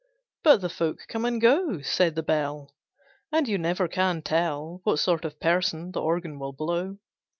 But the folk come and go, Said the Bell, And you never can tell What sort of person the Organ will blow!